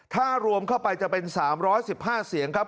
ถ้ารวมเข้าไปจะเป็น๓๑๕เสียงครับ